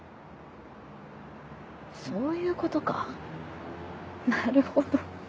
そういうことかなるほど。